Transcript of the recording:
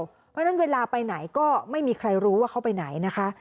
เพราะฉะนั้นเวลาไปไหนก็ไม่มีใครรู้ว่าเขาไปไหนนะคะ